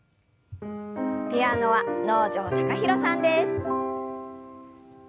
ピアノは能條貴大さんです。